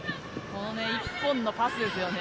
１本のパスですよね。